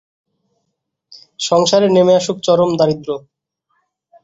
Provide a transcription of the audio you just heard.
সংসারে নেমে আসে চরম দারিদ্র্য।